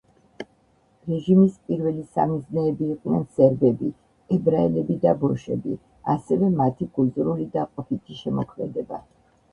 რეჟიმის პირველი სამიზნეები იყვნენ სერბები, ებრაელები და ბოშები, ასევე მათი კულტურული და ყოფითი შემოქმედება.